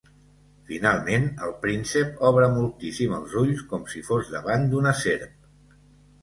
Finalment, el príncep obre moltíssim els ulls, com si fos davant d'una serp.